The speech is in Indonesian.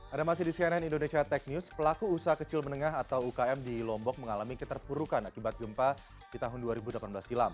ada masih di cnn indonesia tech news pelaku usaha kecil menengah atau ukm di lombok mengalami keterpurukan akibat gempa di tahun dua ribu delapan belas silam